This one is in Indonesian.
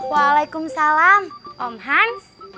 waalaikumsalam om hans